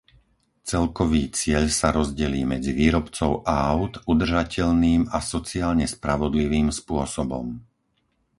Celkový cieľ sa rozdelí medzi výrobcov áut udržateľným a sociálne spravodlivým spôsobom.